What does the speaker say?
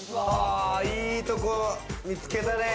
いいとこを見つけたね。